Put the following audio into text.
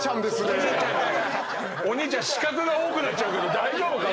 お兄ちゃん死角が多くなっちゃうけど大丈夫か？